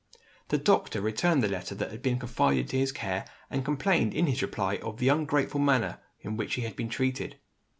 The doctor returned the letter that had been confided to his care, and complained in his reply of the ungrateful manner in which he had been treated.